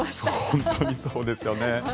本当にそうですよね。